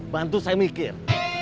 bantu saya mikir